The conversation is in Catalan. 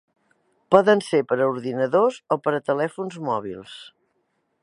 Poden ser per a ordinadors o per a telèfons mòbils.